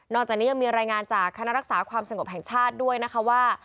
จากนี้ยังมีรายงานจากคณะรักษาความสงบแห่งชาติด้วยนะคะว่า